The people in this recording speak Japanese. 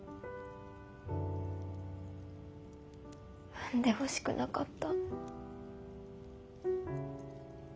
産んでほしくなかった。